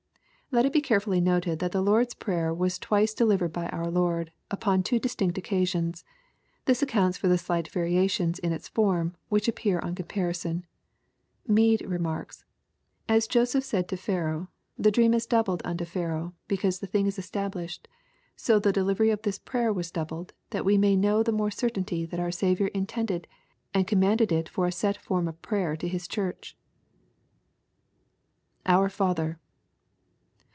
] Let it be carefully noted that the Lord's Prayer was twice delivered by our Lord, upon two distinct occa sions. This accounts for the slight variations in its form, which appear on comparison. — Mede remarks, " As Joseph said to Pharaoh, the dream is doubled unto Pharaoh, because the thing is established, so the delivery of this prayer was doubled, that we may know the more certainly that our Saviour intended and com manded it for a set form of prayer to His Church." [Our Father.